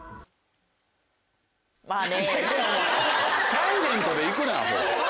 サイレントで行くなアホ。